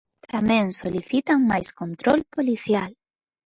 Tamén solicitan máis control policial.